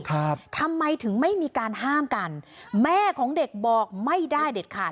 ทำไมถึงไม่มีการห้ามกันแม่ของเด็กบอกไม่ได้เด็ดขาด